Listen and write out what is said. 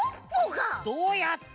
どうやって？